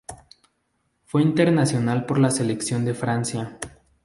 Fue internacional por la selección de Francia.